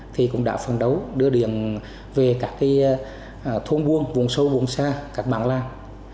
thì cũng đã phản đấu đưa điện về các thôn buôn vùng sâu vùng xa các bảng làng